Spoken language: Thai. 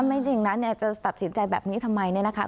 ไม่จริงนั้นจะตัดสินใจแบบนี้ทำไมเนี่ยนะคะ